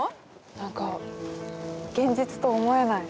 何か現実と思えない。